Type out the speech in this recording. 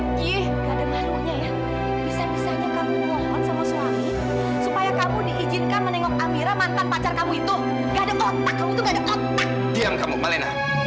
enggak ada ngaruhnya ya bisa bisanya kamu mohon sama suami supaya kamu diizinkan menengok amirah mantan pacar kamu itu enggak ada otak kamu itu enggak ada otak